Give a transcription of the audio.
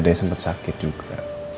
dadah yang sempat sakit juga